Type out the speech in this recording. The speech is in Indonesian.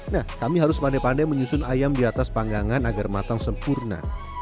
nah kami harus pandai pandai menyusun ayam di atas panggangan agar matang sempurna